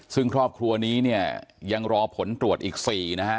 ซึ่งครอบครัวนี้เนี่ยยังรอผลตรวจอีก๔นะฮะ